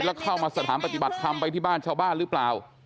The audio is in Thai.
แล้วเข้ามาสถานปฏิบัติธรรมไปที่บ้านชาวบ้านหรือเปล่า